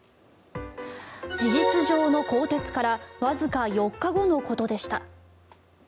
事実上の更迭からわずか４日後のことでした。